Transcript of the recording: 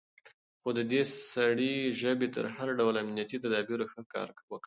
خو د دې سړي ژبې تر هر ډول امنيتي تدابيرو ښه کار وکړ.